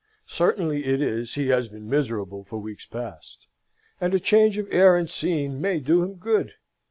Certain it is he has been miserable for weeks past; and a change of air and scene may do him good.